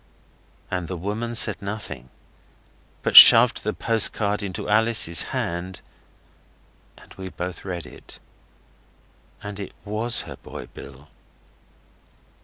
And the woman said nothing, but shoved the postcard into Alice's hand, and we both read it and it WAS her boy Bill.